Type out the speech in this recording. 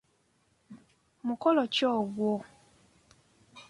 Mukolo ki ogwo?